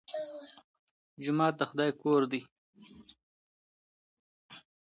جومات د خدای کور دی.